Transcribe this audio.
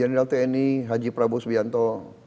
lennart general tni haji prabowo subianto